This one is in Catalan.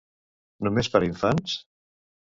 Només per a infants?